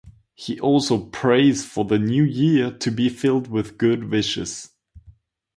He also prays for the new year to be filled with good wishes.